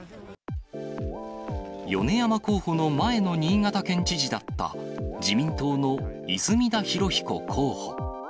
米山候補の前の新潟県知事だった自民党の泉田裕彦候補。